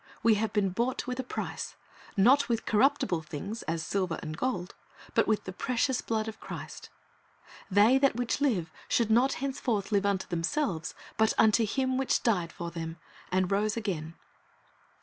We have been "bought with a price," not "with corruptible things, as silver and gold, ... but with the precious blood of Christ;" "that they which live should not henceforth live unto themselves, but unto Him which died for them, and rose again.